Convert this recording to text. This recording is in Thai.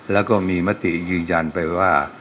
แล้วก็มีมติยืนยันไปว่า